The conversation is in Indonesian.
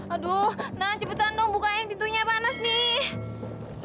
aduh nah cepetan dong bukain pintunya panas nih